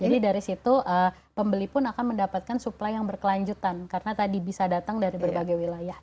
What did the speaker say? jadi dari situ pembeli pun akan mendapatkan suplai yang berkelanjutan karena tadi bisa datang dari berbagai wilayah